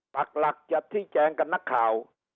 ปากหลักจะชี้แจงกับนักข่าว